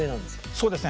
そうですね